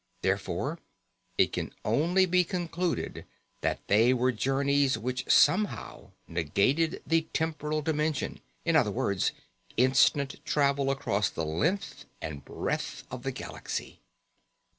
Therefore, it can only be concluded that they were journeys which somehow negated the temporal dimension. In other words, instant travel across the length and breadth of the galaxy!